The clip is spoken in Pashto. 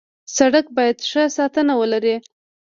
سړک باید ښه ساتنه ولري.